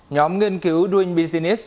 nhóm nghiên cứu doing business